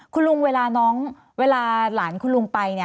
คุณลุงเวลาน้องเวลาหลานคุณลุงไป